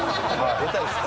出たいですか？